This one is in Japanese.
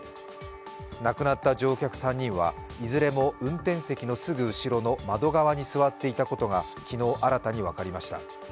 亡くなった乗客３人はいずれも運転席のすぐ後ろの窓側に座っていたことが昨日新たに分かりました。